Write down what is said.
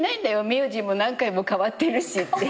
「名字も何回も変わってるし」って。